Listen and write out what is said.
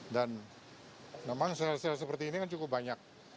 dan memang sel sel seperti ini kan cukup banyak